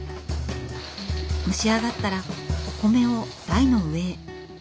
蒸し上がったらお米を台の上へ。